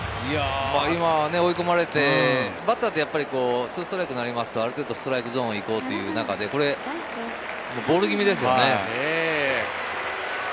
追い込まれて、バッターはやっぱり２ストライクになりますと、ある程度ストライクゾーンに行こうという中で、ボール気味ですよね。